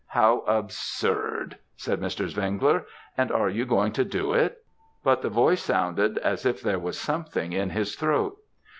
"'How absurd,' said Mr. Zwengler; 'and are you going to do it?' but the voice sounded as if there was something in his throat.